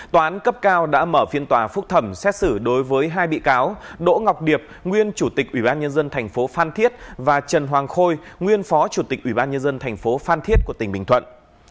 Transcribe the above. tòa án cấp cao đã mở phiên tòa phúc thẩm xét xử đối với hai bị cáo đỗ ngọc điệp nguyên chủ tịch ủy ban nhân dân thành phố phan thiết và trần hoàng khôi nguyên phó chủ tịch ủy ban nhân dân thành phố phan thiết của tỉnh bình thuận